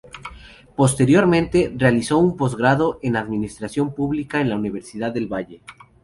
Posteriormente, realizó un posgrado en Administración Pública en la Universidad del Valle.